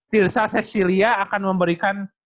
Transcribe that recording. tirza cecilia akan memberikan